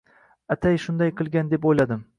Atay shunday qilgan deb o’yladim.